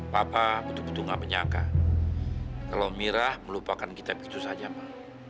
papa betul betul gak menyangka kalau mira melupakan kita begitu saja ma